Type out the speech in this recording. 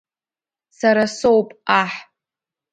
Сара соуп, Аҳ!